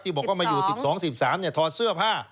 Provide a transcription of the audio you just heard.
ที่บอกว่ามาอยู่๑๒๑๓เนี่ยถอดเสื้อผ้า